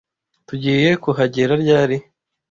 Tugiye kuhagera ryari?